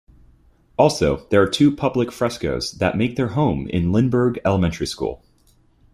Also there are two public frescoes that make their home in Lindbergh Elementary School.